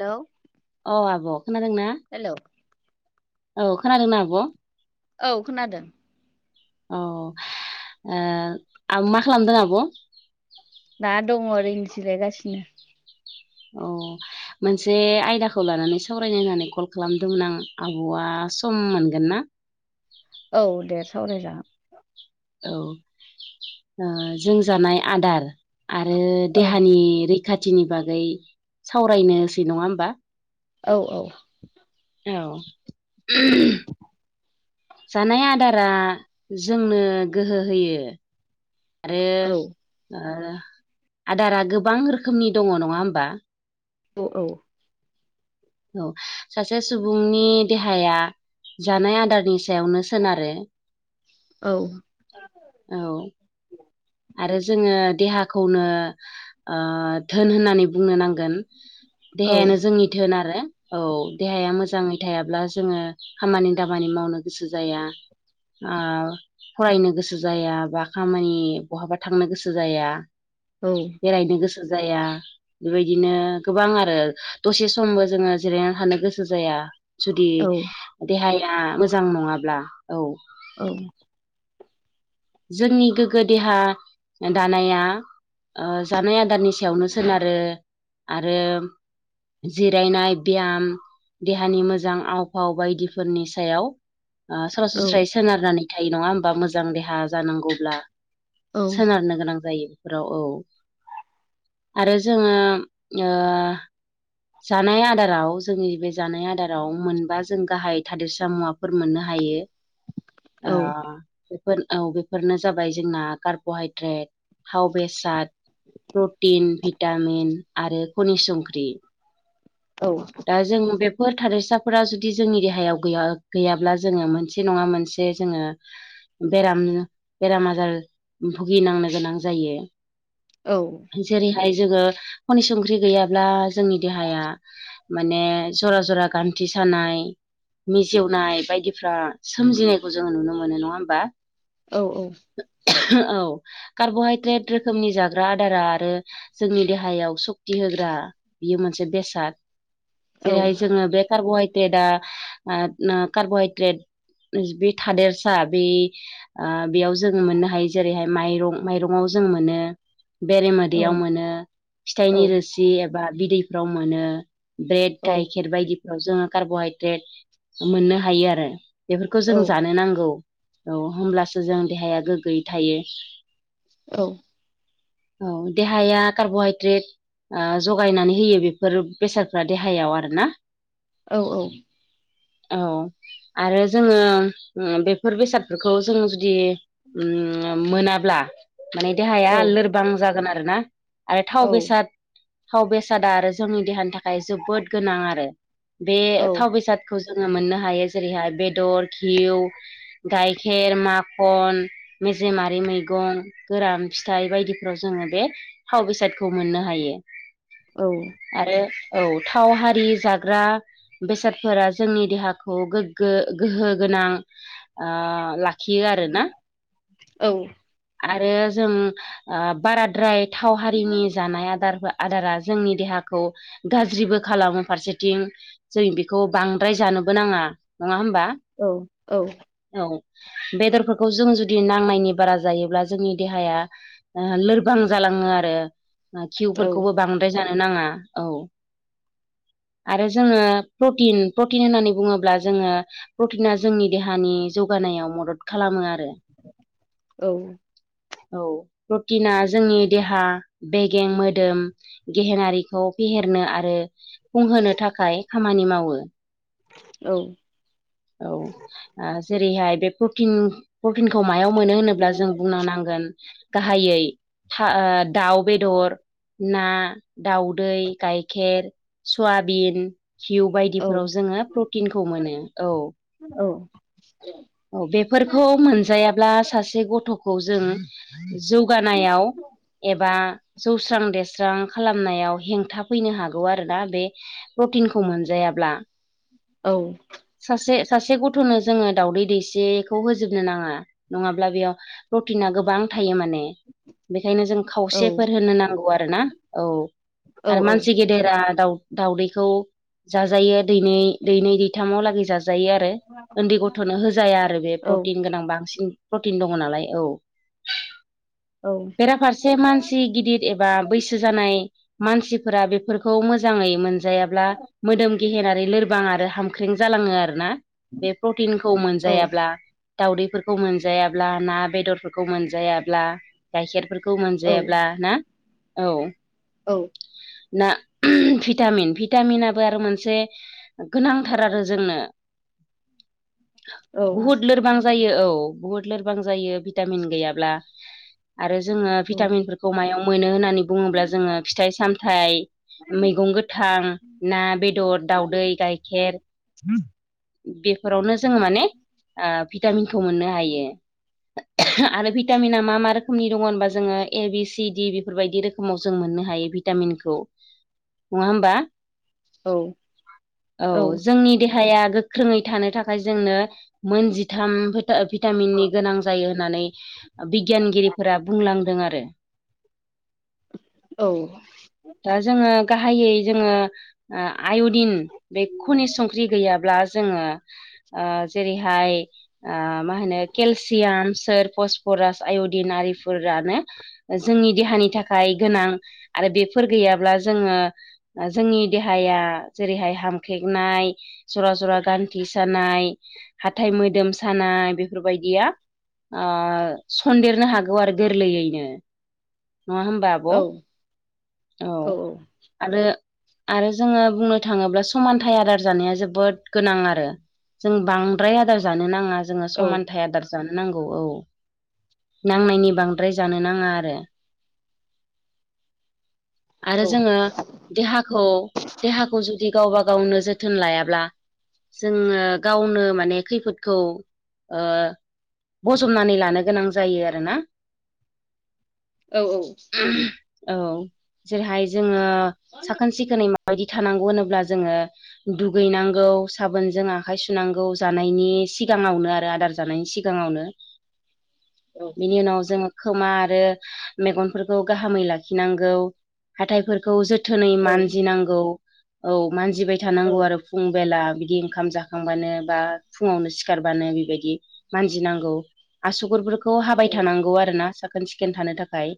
Hello? अ आब' खोनादोंना? हेलौ? औ खोनादोंना आब'? औ खोनादों। औ ओ आ मा खालामदों आब'? दा दङ ओरैनो जिलायगासिनो। अह। मोनसे आयदाखौ लानानै सावरायनो होननानै कल खालामदोंमोन आं आब'आ सम मोनगोन ना? औ देर सावराय जागोन। औ ओ जों जानाय आदार आरो औ देहानि रै खाथिनि बागै सावरायनोसै नङा होमबा? औ औ। औ। जानाय आदारा जोंनो गोहो होयो। आरो औ ओ आदारा गोबां रोखोमनि दङ नङा होमबा? औ औ। औ सासे सुबुंनि देहाया जानाय आदारनि सायावनो सोनारो। औ। औ। आरो जोङो देहाखौनो ओ धोन होननानै बुंनो नांगोन। औ देहायानो जोंनि धोन आरो। औ देहाया मोजाङै थायाब्ला जोङो खामानि दामानि मावनो गोसो जाया। ओ फरायनो गोसो जाया बा खामानि बहाबा थांनो गोसो जाया। औ। बेरायनो गोसो जाया। बेबायदिनो गोबां आरो दसे समबो जोङो जिरायनानै थानो गोसो जाया। जुदि औ देहाया मोजां नङाब्ला औ। औ जोंनि गोग्गो देहा दानाया ओ जानाय आदारनि सायावनो सोनारो आरो जिरायनाय, बियाम, देहानि मोजां आव फाव बायदिफोरनि सायाव। औ सरासनस्रायै सोनारनानै थायो नङा होमबा मोजां देहा जानांगौब्ला सोनारनो गोनां जायो बेफोराव औ। आरो जोङो, ओ जानाय आदाराव जोंनि बे जानाय आदाराव मोनबा जों गाहाय थादेरसा मुवा फोर मोननो हायो। औ बेफोर औ बे फोरनो जाबाय जोंना कार्बहाइद्रेट, थाव बेसाद, प्रटिन, भित टामिन आरो खनि संख्रि। औ दा जों बेफोर थारसाफोरा जुदि जोंनि देहायाव गैया गैयाब्ला जोङो मोनसे नङा मोनसे जे जोङो बेराम बेराम आजार भुगिनांनो गोनां जायो। औ जेरैहाय जोङो खनि संख्रि गैयाब्ला जोंनि देहाया माने जरा जरा गान्थि सानाय मिजेवनाय बायदिफ्रा सोमजिनायखौ जोङो नुनो मोनो नङा होमबा? औ औ। औ कार्बहायद्रेट रोखोमनि जाग्रा आदारा आरो जोंनि देहायाव सक्ति होग्रा बेयो मोनसे बेसाद। जेरेहाय जोङो बे कार्बहाइ जे दा ओ नो कार्बहाइद्रेट बि थादेरसा बि ओ बेयाव जों मोननो हायो जेरैहाय माइरं माइरंआव जों मोनो बेरे मोदैयाव मोनो फिथाइनि रोसि एबा बिदैफ्राव मोनो। ब्रेड, गाइखेर बायदिफ्राव जोङो कार्बहाइद्रेट मोननो हायो आरो। बेफोरखौ जों जानो नांगौ औ होमब्लासो जों देहाया गोग्गोयै थायो। औ औ देहाया कार्बहाइद्रेट ओ जगायनानै होयो बेफोर बेसादफ्रा देहायाव आरोना। औ औ। औ आरो जोङो उम बेफोर बेसादफोरखौ जों जुदि उम मोनाब्ला माने देहाया लोरबां जागोन आरोना। आरो थाव बेसाद थाव बेसादा आरो जोंनि देहानि थाखाय जोबोद गोनां आरो। बे थाव बेसाद खौ जोङो मोननो हायो जेरैहाय बेदर खिउ गाइखेर माख खन मेजेमारि मैगं गोरान फिथाइ बायदिफ्राव जोङो बे थाव बेसादखौ मोननो हायो। औ। आरो औ थाव हारि जाग्रा बेसादफोरा जोंनि देहाखौ गोग्गो गोहो गोनां ओ लाखियो आर ना आरो जों ओ बाराद्राय थाव हारिनि जानाय आदारबो आदारा जोंनि देहाखौ गाज्रिबो खालामो फारसेथिं जों बेखौ बांद्राय जानोबो नाङा नङा होमबा? औ औ। औ बेदर खौ जों जुदि नांनायनि बारा जायोब्ला जोंनि देहाया लोरबां जालाङो आरो। घिउफोरखौबो बांद्राय जानो नाङा औ। आरो जोङो प्रटिन प्रटिन होननानै बुङोब्ला जोङो प्रटिना जोंनि देहानि जौगानायाव मदद खालामो आरो। औ। औ प्रटिना जोंनि देहा बेगें मोदोम गेहेनारिखौ फेहेरनो आरो फुंहोनो थाखाय खामानि मावो। औ। औ जेरैहाय बे प्रटिन प्रटिनखौ मायाव मोनो होनोब्ला जों बुंनो नांगोन गाहायै था ओ दाउ बेदर ना, दउदै, गायखेर, सयाबिन घिउ बायदिफोराव जोङो प्रटिनखौ मोनो औ। [unintelligible] औ बेफोरखौ मोनजायाब्ला सासे गथ'खौ जों जौगानायाव एबा जौस्रां देरस्रां खालामनायाव हेंथा फैनो हागौ आरोना बे प्रटिनखौ मोनजायाब्ला। औ। सासे सासे गथ'नो जोङो दावदै उदैसेखौ होजोबनो नाङा नङाब्ला बेयाव प्रटिना गोबां थायो माने। बेखायनो जों औ औ खावसेफोर होनो नांगौ आरोना। औ। औ आरो मानसि गे दोरा दावदैखौ जाजायो दैनै-दैथामाव लागै जाजायो आरो। उन्दै गथ'नो होजाया आरो बे प्रटिन गोनां बांसिन प्रटिन दङ नालाय औ। बेराफारसे मानसि गिदिर एबा बैसो जानाय मानसिफोरा बेफोरखौ मोजाङै मोनजायाब्ला मोदोम गेहेेनारि लोरबां आरो हामख्रें जालाङो आरोना बे प्रटिनखौ मोन जायाब्ला दाउदैफोरखौ मोनजायाब्ला ना बेदरफोरखौ मोनजायाब्ला। गाइखेरफोरखौ मोनजायाब्ला ना। औ। [unintelligible] ना भिटामिन भिटामिनाबो आरो मोनसे गोनांथार आरो जोंनो। बहुद लोरबां जायो औ बुहुद लोरबां जायो भिटामिन गैयाब्ला। आरो जोङो भिटामिनफोरखौ मायाव मोनो होननानै बुङोब्ला जोङो फिथाइ सामथाइ मैगं गोथां ना बेदर दाउदै गाइखेर। [inaudible] बेफोरावनो जोङो माने ओ भिटामिनखौ मोननो हायो। आरो भिटामिना मा मा रोखोमनि दङ होनबा जोङो ए बि सिडि बेफोरबायदि रो समाव जों मोननो हायो भिटामिनखौ नङा होमबा। औ जोंनि देहाया गोख्रोङै थानो थाखाय जोंनो मोन जिथाम भिटामिननि गोनां जायो होननानै बिगियानगिरिफोरा बुंलांदों आरो। औ। दा जोङो गाहायै जोङो ओ आय'दिन बे खनि संख्रि गैयाब्ला जोङो ओ जेरैहाय ओ मा होनो केलसियाम, सोर, पसफरास, आय'दिन आरिफोरानो जोंनि देहानि थाखाय गोनां आरो बेफोर गैयाब्ला जोङो जोंनि देहाया जेरैहाय हामख्रेंनाय जरा-जरा गान्थि सानाय हाथाय मोदोम सानाय बेफोरबायदिया ओ सन्देरनो हागौ आरो गोरलैयैनो, नङा होमबा? आब' औ। औ। आरो आरो जोङो बुंनो थाङोब्ला समानथ आदार जानाया जोबोद गोनां आरो। जों बांद्राय आदार जानो नाङा। जोङो औ समानथाय आदार जानो नांगौ औ। नांनायनि बांद्राय जानो नाङा आरो। आरो औ जोङो देहाखौ देहाखौ जुदि गावबा गावनो जोथोन लायाब्ला जोङो गावनो माने खैफोदखौ ओ बजबनानै लानो गोनां जायो आरोना। औ औ। औ जेरैहाय जोङो साखोन सिखोनै मा माबायदि थानांगौ होनोब्ला जोङो दुगैनांगौ साबोनजों आखाइ सुनांगौ जानायनि सिगाङावनो आरो आदार जानायनि सि गाङावनो [inaudible] बेनि उनाव जोङो खोमा आरो मेगनफोरखौ गाहामै लाखिनांगौ। हाथायफोरखौ जोथोनै मानजिनांगौ। औ मानजिबाय थानांगौ आरो फुं बेला बिदि ओंखाम जाखांबानो बा फुङावनो सिखारबानो बेबायदि मानजिनांगौ, आसुगरफोरखौ खौ हाबाय थानांगौ आरोना साखोन सिखोन थानो थाखाय,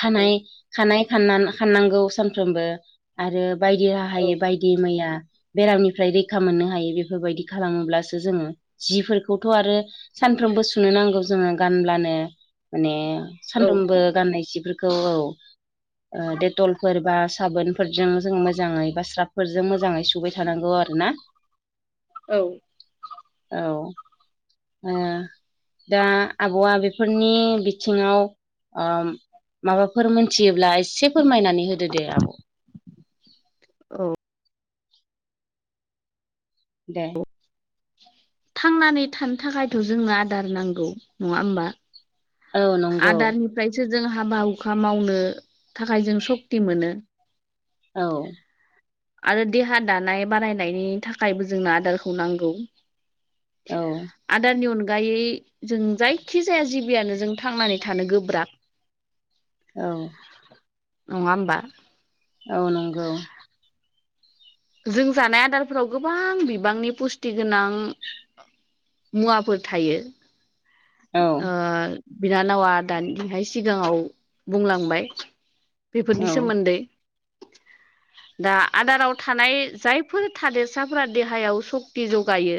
खानाय खानाय खानना‌-खाननांगौ सानफ्रोमबो आरो बायदि राहायै बायदि मैया बेरामनिफ्राय रैखा मोननो हायो बेफोरबायदि खालामोब्लासो जोङो, जिफोरखौथ' आरो सानफ्रोमबो सुनो नांगौ जोङो गानब्लानो। माने औ सानफ्रोमबो गाननाय सिफोरखौ औ ओ डेटलफोर बा साबोनफोरजों जों मोजाङै बा स्राबफोरजों मोजाङै सुबाय थानांगौ आरो ना। औ। औ ओ। दा आब'आ बेफोरनि बिथिङाव माबाफोर मोन मिथियोब्ला एसे फोरमायनानै होदो दे आब'। औ। दे। थांनानै थानो थाखायथ' जोंनो आदार नांगौ नङा होमबा? औ नंगौ आदारनिफ्रायसो जों हाबा हुखा मावनो थाखाय जों सक्ति मोनो। औ। आरो देहा दानाय बारानायनायनि थाखायबो जोंनो आदारखौ नांगौ। औ। आदारनि अनगायै जों जायखि जाया जिबियानो जों थांनानै थानो गोब्राब। [inaudible] औ। नङा होमबा? औ नंगौ। जों जानाय आदारफोराव गोबां बिबांनि पुस्टि गोनां मुवाफोर थायो औ ओ बिनानावा दानिहाय सिगाङाव बुंलांबाय। औ बेफोरनि सोमोन्दै दा आदाराव थानाय जायफोर थादेरसाफोरा देहायाव सक्ति जगायो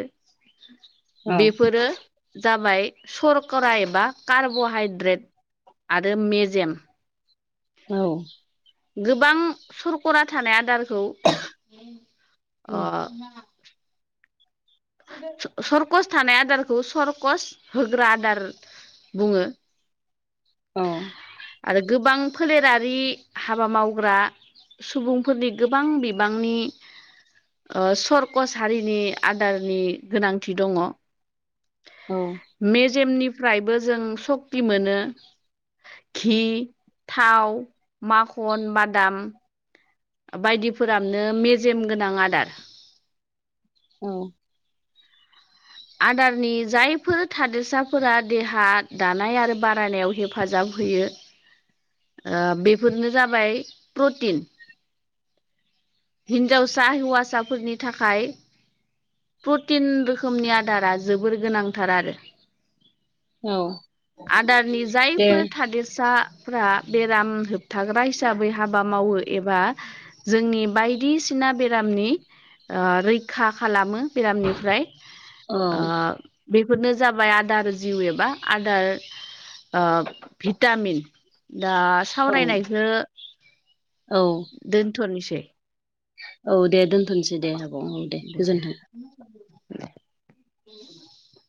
औ बेफोरो जाबाय सरकरा एबा कार्ब'हाइद्रेट आरो मेजेम। औ। गोबां सरका थानाय आदारखौ अ- सरकस थानाय आदारखौ सरकस होग्रा आदार बुङो। औ। आरो गोबां फोलेरारि हाबा मावग्रा सुबुंफोरनि गोबां बिबांनि सरकसारिनि आदारनि गोनांथि दङ। औ। मेजेमनिफ्रायबो जों सक्ति मोनो। घि, थाव, माखन, बादाम बायदिफोरानो मेजेम गोनां आदार। औ। आदारनि जायफोर थादेरसाफोरा देहा दानाय आरो बारायनायाव हेफाजाब होयो बेफोरनो जाबाय प्रटिन। हिनजावसा हौवासाफोरनि थाखाय प्रटिन रोखोमनि आदारा जोबोर गोनांथार आरो। औ आदारनि दे जायफोर थादेरसा फ्रा बेराम होबथाग्रा हिसाबै हाबा मावो एबा जोंनि बायदिसिना बेरामनि रैखा खालामो बेरामनिफ्राय औ ओ- बेफोरनो जाबाय आदार जिउ एबा आदार भिटामिन दा औ सावरायनायखो औ। दोनथ'नोसै? औ दे दोनथ'नोसै दे आब' औ दे गोजोन्थों। [inaudible]